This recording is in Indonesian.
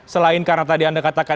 selain karena tadi anda katakan